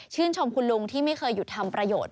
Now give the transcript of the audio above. ชมคุณลุงที่ไม่เคยหยุดทำประโยชน์